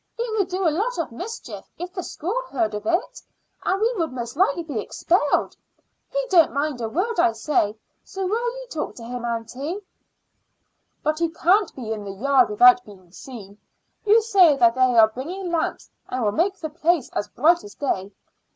It would do a lot of mischief if the school heard of it, and we would most likely be expelled. He don't mind a word I say, so will you talk to him, aunty?" "But he can't be in the yard without being seen; you say that they are bringing lamps and will make the place as bright as day."